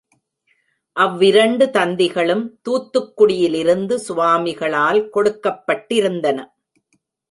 அவ்விரண்டு தந்திகளும் தூத்துக்குடியிலிருந்து சுவாமிகளால் கொடுக்கப்பட்டிருந்தன.